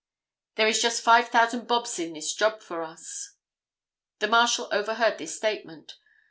There is just 5000 bobs in this job for us.' The Marshal overhead this statement.